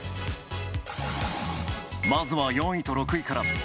まずは４位と６位から。